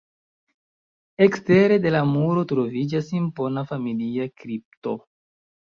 Ekstere de la muro troviĝas impona familia kripto.